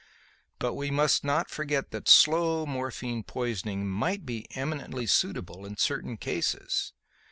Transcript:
But we must not forget that slow morphine poisoning might be eminently suitable in certain cases.